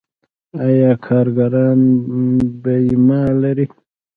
آیا کارګران بیمه لري؟